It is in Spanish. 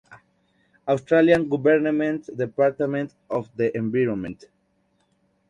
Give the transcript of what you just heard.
Australian Government, Department of the Environment.